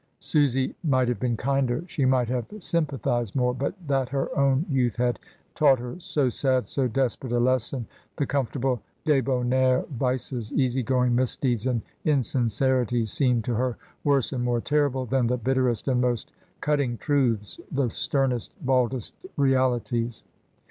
Susy might have been kinder, she might have S)rmpathised more, but that her own youth had taught her so sad, so desperate a lesson; the com fortable dibonnaire vices, easy going misdeeds and insincerities, seemed to her worse and more terrible than the bitterest and most cutting truths, the stern est, baldest realities.